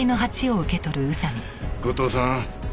後藤さん